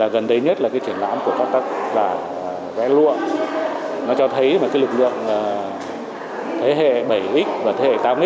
gần đây nhất là triển lãm của các tác giả vẽ lụa nó cho thấy lực lượng thế hệ bảy x và thế hệ tám x